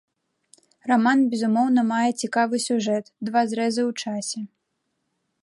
Раман безумоўна мае цікавы сюжэт, два зрэзы ў часе.